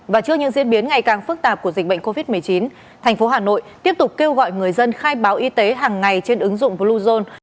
và trước những diễn biến ngày càng phức tạp của dịch bệnh covid một mươi chín thành phố hà nội tiếp tục kêu gọi người dân khai báo y tế hàng ngày trên ứng dụng bluezone